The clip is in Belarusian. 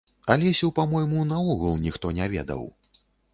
Алесю, па-мойму, наогул ніхто не ведаў.